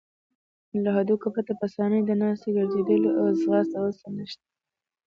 له هډوکو پرته په آسانۍ د ناستې، ګرځیدلو او ځغاستې وسه نشته.